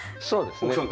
そうですね。